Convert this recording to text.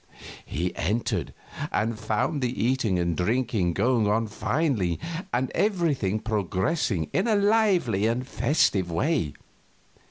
He entered, and found the eating and drinking going on finely, and everything progressing in a lively and festive way.